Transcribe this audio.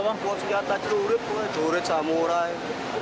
bawa senjata jurit jurit samurai